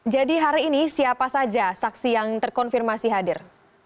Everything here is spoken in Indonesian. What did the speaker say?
jadi hari ini siapa saja saksi yang terkonfirmasi hadir